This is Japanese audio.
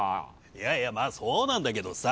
「いやいやまあそうなんだけどさ」